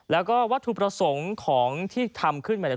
แล้วก็วัตถุประสงค์ของที่ทำขึ้นมาเนี่ย